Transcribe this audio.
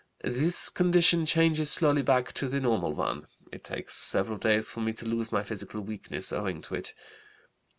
This condition changes slowly back to the normal one. It takes several days for me to lose my physical weakness owing to it.